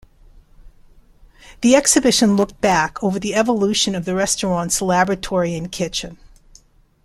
The exhibition looked back over the evolution of the restaurant's laboratory and kitchen.